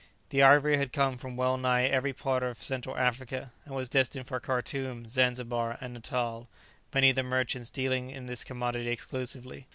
The ivory had come from well nigh every part of Central Africa, and was destined for Khartoom, Zanzibar, and Natal, many of the merchants dealing in this commodity exclusively.